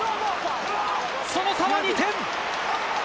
その差は２点。